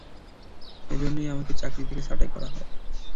এজন্য আমাকে চাকরি থেকে ছাঁটাই করা হয়।